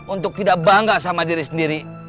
untuk tidak bangga sama diri sendiri